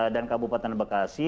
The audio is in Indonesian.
dan kabupaten bekasi